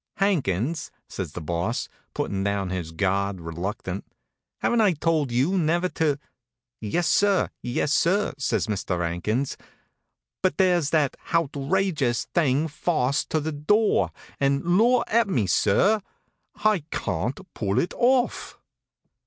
"Hankins," says the Boss, putting down his guard reluctant, "haven't I told you never to " "Yes, sir; yes, sir," says Mister 'Ankins, "but there's that houtrageous thing fawst to the door and, Lor' 'elp me, sir, Hi cawnt pull it hoff."